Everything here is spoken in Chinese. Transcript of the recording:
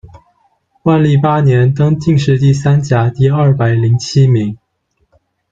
万历八年，登进士第三甲第二百零七名。